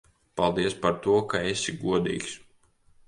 Paldies par to, ka esi godīgs.